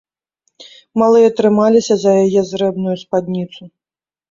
Малыя трымаліся за яе зрэбную спадніцу.